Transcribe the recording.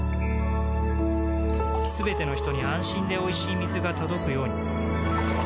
すべての人に安心でおいしい水が届くように